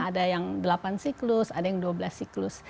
ada yang delapan siklus ada yang dua belas siklus